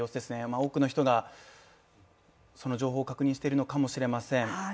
多くの人が情報を確認しているのかもしれません。